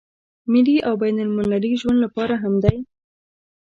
ملي او بين المللي ژوند لپاره هم دی.